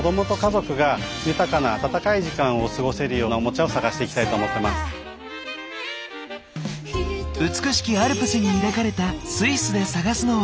それを通じて美しきアルプスに抱かれたスイスで探すのは。